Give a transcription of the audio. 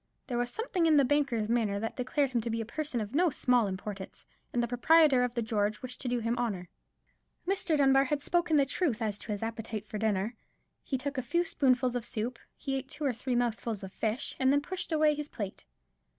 There was something in the banker's manner that declared him to be a person of no small importance; and the proprietor of the George wished to do him honour. Mr. Dunbar had spoken the truth as to his appetite for his dinner. He took a few spoonfuls of soup, he ate two or three mouthfuls of fish, and then pushed away his plate.